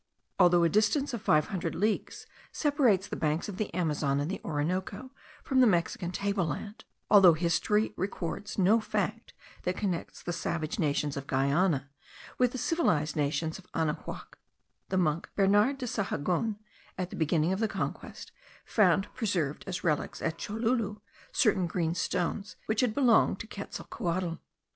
Although a distance of five hundred leagues separates the banks of the Amazon and the Orinoco from the Mexican table land; although history records no fact that connects the savage nations of Guiana with the civilized nations of Anahuac, the monk Bernard de Sahagun, at the beginning of the conquest, found preserved as relics at Cholula, certain green stones which had belonged to Quetzalcohuatl.